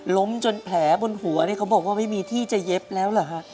ล้มจนแผลบนหัวนี่เขาบอกว่าไม่มีที่จะเย็บแล้วเหรอฮะ